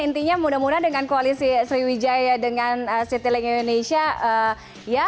intinya mudah mudahan dengan koalisi sriwijaya dengan citilink indonesia ya